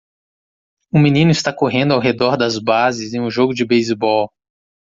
Um menino está correndo ao redor das bases em um jogo de beisebol.